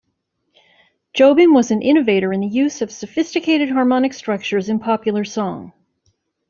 Jobim was an innovator in the use of sophisticated harmonic structures in popular song.